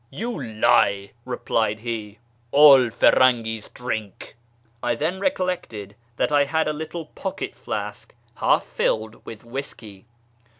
" You lie," replied he ;" all Firangi's drink." I then recollected that I had a little pocket flask half filled with whisky.